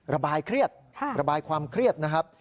ระบายเครียดระบายความเครียดนะครับ